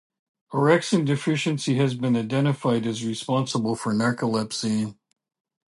Orexin deficiency has been identified as responsible for narcolepsy.